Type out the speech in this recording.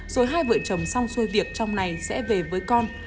rồi hai vợ chồng xong xôi việc trong này sẽ về với con